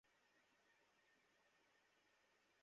জিবরাঈল হলেন এক মহান ফেরেশতা।